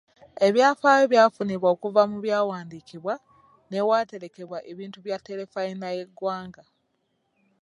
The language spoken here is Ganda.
Ebyafaayo byafunibwa okuva mu byawandiikibwa n'ewaterekebwa ebintu bya terefayina y'eggwanga .